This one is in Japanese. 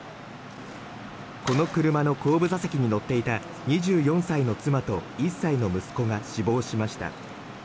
この車の後部座席に乗っていた２４歳の妻と１歳の息子が死亡しました。